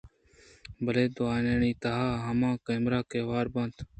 بلئے دوئینانی تہاہما کمرہ کہ ہورک بہ بیت